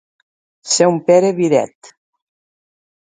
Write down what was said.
Ser un Pere Viret.